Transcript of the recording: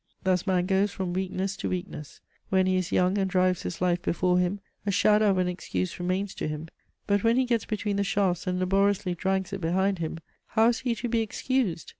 Thus man goes from weakness to weakness. When he is young and drives his life before him, a shadow of an excuse remains to him; but when he gets between the shafts and laboriously drags it behind him, how is he to be excused?